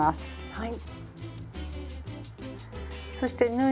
はい。